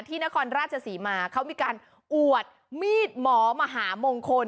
นครราชศรีมาเขามีการอวดมีดหมอมหามงคล